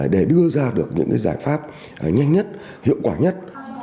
để đưa ra được những giải pháp nhanh nhất hiệu quả nhất